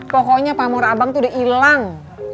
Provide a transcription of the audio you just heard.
pokoknya pamur abang tuh udah ilang